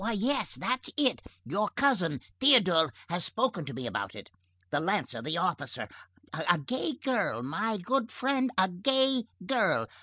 —Why, yes, that's it. Your cousin Théodule has spoken to me about it. The lancer, the officer. A gay girl, my good friend, a gay girl!